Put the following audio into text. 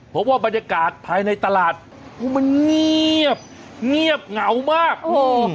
เพราะว่าบรรยากาศภายในตลาดมันเงียบเงียบเหงามากเออ